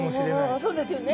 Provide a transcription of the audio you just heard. ああそうですよね。